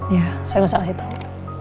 ya saya nggak usah ngasih tau